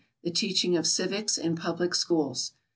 The Teaching of Civics in Public Schools.